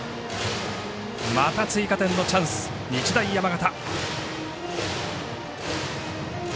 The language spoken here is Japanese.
また追加点のチャンス、日大山形。